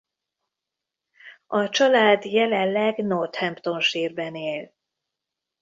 A család jelenleg Northamptonshire-ben él.